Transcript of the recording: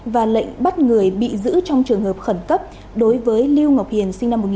và lệnh bắt người bị giữ trong trường hợp khẩn cấp đối với lưu ngọc hiền